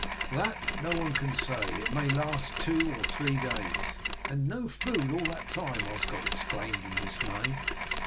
"That no one can say. It may last two or three days." "And no food all that time!" Osgod exclaimed in dismay.